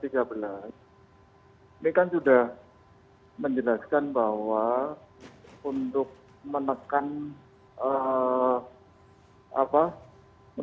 ini kan sudah menjelaskan bahwa untuk menekankan